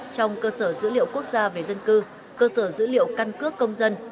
trong cơ sở dữ liệu quốc gia về dân cư cơ sở dữ liệu căn cước công dân